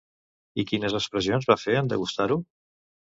I quines expressions va fer en degustar-ho?